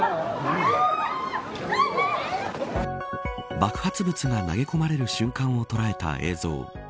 爆発物が投げ込まれる瞬間を捉えた映像。